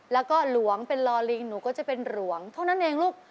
แล้วก็หลวงเป็นลอลิงหนูก็จะเป็นหลวงเท่านั้นเองลูก